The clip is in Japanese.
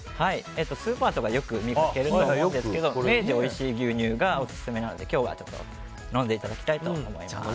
スーパーとかでよく見かけると思うんですけど明治おいしい牛乳がオススメなので今日はちょっと飲んでいただきたいと思います。